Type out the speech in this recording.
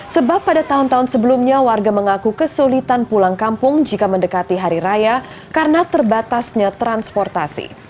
sebab pada tahun tahun sebelumnya warga mengaku kesulitan pulang kampung jika mendekati hari raya karena terbatasnya transportasi